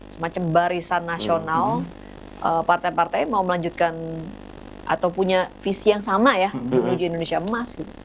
semacam barisan nasional partai partai mau melanjutkan atau punya visi yang sama ya menuju indonesia emas gitu